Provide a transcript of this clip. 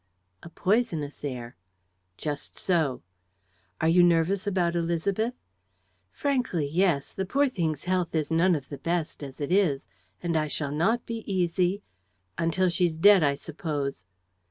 "A poisonous air." "Just so." "And are you nervous about Élisabeth?" "Frankly, yes. The poor thing's health is none of the best, as it is; and I shall not be easy ..." "Until she's dead, I suppose?"